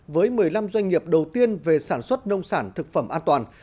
với một mươi năm doanh nghiệp đầu tiên về sản xuất nông sản thực phẩm an toàn